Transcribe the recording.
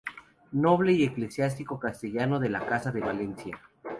Noble y eclesiástico castellano de la Casa de Valencia.